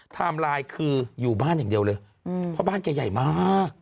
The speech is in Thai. ไลน์คืออยู่บ้านอย่างเดียวเลยเพราะบ้านแกใหญ่มาก